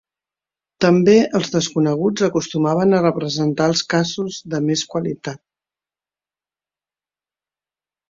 També els "desconeguts" acostumaven a representar els casos de més qualitat, q.e.